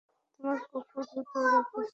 তোমার কুকুর দৌড়াবে।